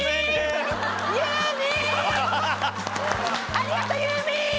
ありがとうユーミン！